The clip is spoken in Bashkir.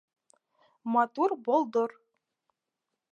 МАТУР БОЛДОР